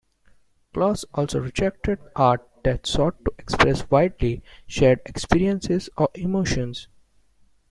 Kloos also rejected art that sought to express widely shared experiences or emotions.